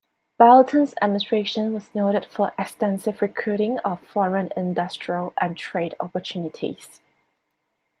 Blanton's administration was noted for extensive recruiting of foreign industrial and trade opportunities.